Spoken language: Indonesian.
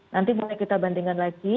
nanti boleh kita bandingkan lagi